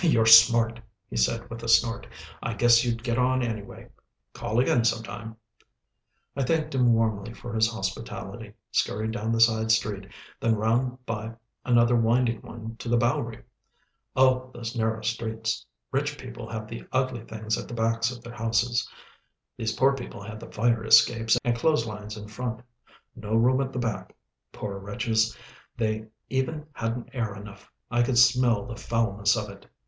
"You're smart," he said with a snort. "I guess you'd get on anyway. Call again, some time." I thanked him warmly for his hospitality, scurried down the side street, then round by another winding one to the Bowery! Oh! those narrow streets! Rich people have the ugly things at the backs of their houses. These poor people had the fire escapes and clothes lines in front. No room at the back. Poor wretches they even hadn't air enough. I could smell the foulness of it.